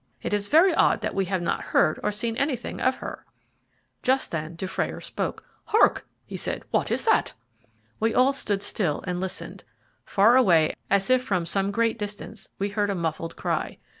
It is very odd that we have not heard or seen anything of her." Just then Dufrayer spoke. "Hark!" he cried, "what is that?" We all stood still and listened. Far away, as if from some great distance, we heard a muffled cry.